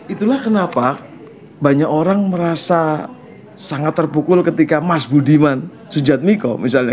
itulah kenapa banyak orang merasa sangat terpukul ketika mas budiman sujadmiko misalnya